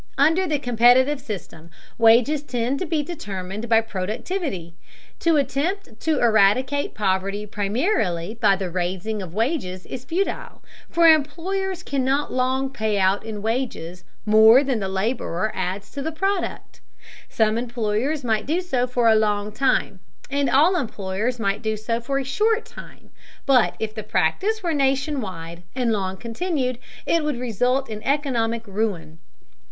Under the competitive system, wages tend to be determined by productivity. To attempt to eradicate poverty primarily by the raising of wages is futile, for employers cannot long pay out in wages more than the laborer adds to the product. Some employers might do so for a long time, and all employers might do so for a short time, but if the practice were nation wide and long continued, it would result in economic ruin.